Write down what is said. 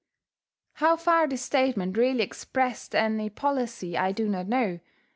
How far this statement really expressed any policy I do not know.